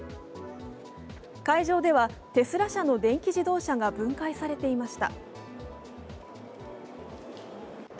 会場ではテスラ社の電気自動車が分解されていました。